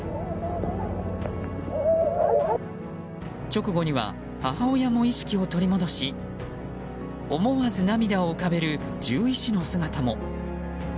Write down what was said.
直後には母親も意識を取り戻し思わず涙を浮かべる獣医師の姿も。